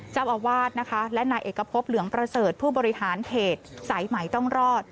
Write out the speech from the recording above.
เจ้าอาวาสนะคะและนายเอกพบเหลืองประเสริฐผู้บริหารเขตสายใหม่ต้องรอด